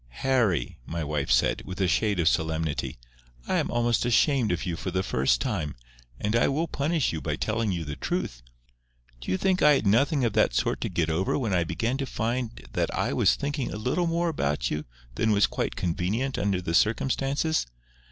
"Harry," my wife said, with a shade of solemnity, "I am almost ashamed of you for the first time. And I will punish you by telling you the truth. Do you think I had nothing of that sort to get over when I began to find that I was thinking a little more about you than was quite convenient under the circumstances?